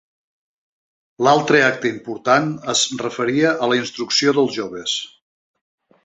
L'altre acte important es referia a la instrucció dels joves.